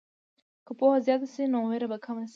که پوهه زیاته شي، نو ویره به کمه شي.